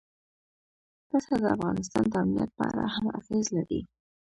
پسه د افغانستان د امنیت په اړه هم اغېز لري.